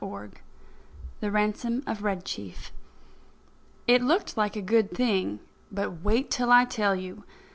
VIII THE RANSOM OF RED CHIEF It looked like a good thing: but wait till I tell you.